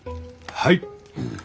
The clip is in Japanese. はい！